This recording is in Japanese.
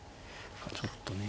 ちょっとね。